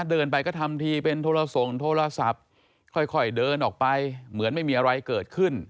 เดินไปก็ทำทีเป็นโทรส่งโทรศัพท์ค่อยเดินออกไปเหมือนไม่มีอะไรเกิดขึ้น